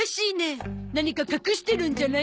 何か隠してるんじゃないのかい？